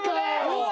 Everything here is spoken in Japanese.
うわ。